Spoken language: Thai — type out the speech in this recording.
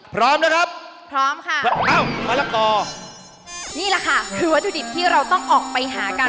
พร้อมนะครับพร้อมค่ะเอ้ามะละกอนี่แหละค่ะคือวัตถุดิบที่เราต้องออกไปหากัน